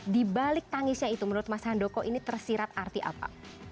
dibalik tangisnya itu menurut mas hando kogani tersirat arti apa